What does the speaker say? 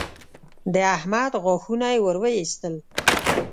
د احمد غاښونه يې ور واېستل